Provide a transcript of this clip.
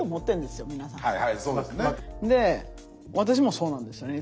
で私もそうなんですよね。